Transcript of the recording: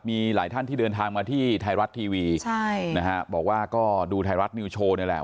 มีหลายท่านที่เดินทางมาที่ไทยรัฐทีวีใช่นะฮะบอกว่าก็ดูไทยรัฐนิวโชว์นี่แหละ